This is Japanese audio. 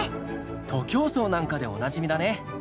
徒競走なんかでおなじみだね。